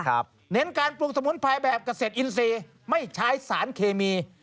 เน้นการปรุงสมุนไพรแบบเกษตรอินทรีย์ไม่ใช้สารเคมี